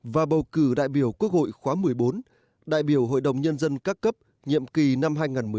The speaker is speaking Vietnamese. và bầu cử đại biểu quốc hội khóa một mươi bốn đại biểu hội đồng nhân dân các cấp nhiệm kỳ năm hai nghìn một mươi sáu hai nghìn hai mươi một